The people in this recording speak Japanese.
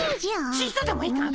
ちとでもいかん！